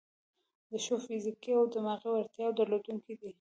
د ښو فزیکي او دماغي وړتیاوو درلودونکي دي.